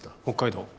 北海道。